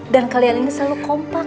dan kalian ini selalu kompak